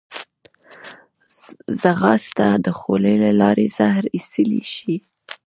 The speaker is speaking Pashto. ځغاسته د خولې له لارې زهر ایستلی شي